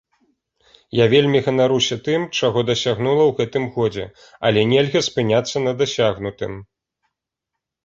Я вельмі ганаруся тым, чаго дасягнула ў гэтым годзе, але нельга спыняцца на дасягнутым.